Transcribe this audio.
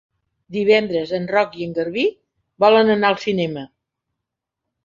Divendres en Roc i en Garbí volen anar al cinema.